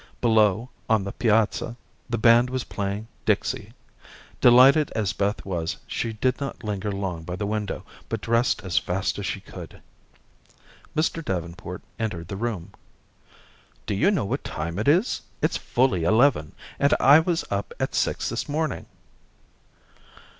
Below, on the piazza, the band was playing "Dixie." Delighted as Beth was, she did not linger long by the window, but dressed as fast as she could. Mr. Davenport entered the room. "Do you know what time it is? It's fully eleven, and I was up at six this morning."